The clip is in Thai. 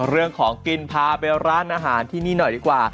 เรื่องของกินพาไปร้านอาหารที่นี่หน่อยดีกว่า